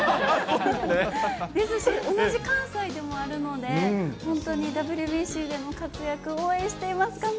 ですし、同じ関西でもあるので、本当にＷＢＣでの活躍、応援しています。